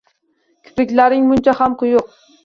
Kipriklaring muncha ham quyuq